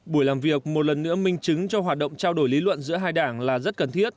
buổi làm việc một lần nữa minh chứng cho hoạt động trao đổi lý luận giữa hai đảng là rất cần thiết